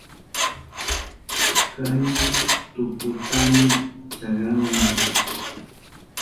Kay tuputami chakrahuni.